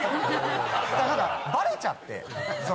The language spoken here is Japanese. バレちゃって。